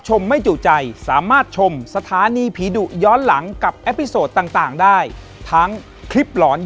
ขอบคุณพี่ป๊อปครับ